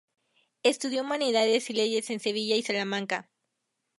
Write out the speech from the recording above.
Estudió humanidades y leyes en Sevilla y Salamanca.